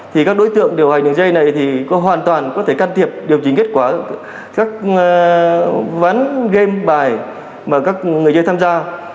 thì các đối tượng điều hành đường dây này thì có hoàn toàn có thể can thiệp điều chỉnh kết quả các ván game bài mà các người dân tham gia